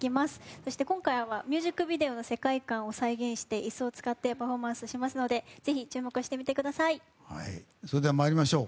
そして今回はミュージックビデオの世界観を再現して椅子を使ってパフォーマンスしますのでそれではまいりましょう。